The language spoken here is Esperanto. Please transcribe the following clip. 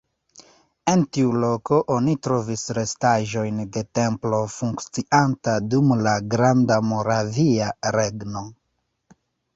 En tiu loko oni trovis restaĵojn de templo funkcianta dum la Grandmoravia Regno.